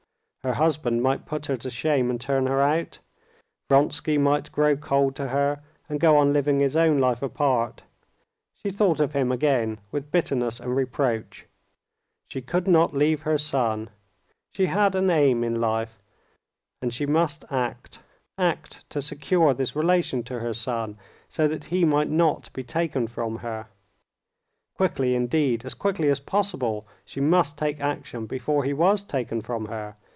Her husband might put her to shame and turn her out, Vronsky might grow cold to her and go on living his own life apart (she thought of him again with bitterness and reproach); she could not leave her son. She had an aim in life. And she must act; act to secure this relation to her son, so that he might not be taken from her. Quickly indeed, as quickly as possible, she must take action before he was taken from her.